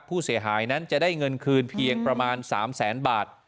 ผู้เสียหายนั้นจะได้เงินคืนเพียงประมาณ๓แสนบาท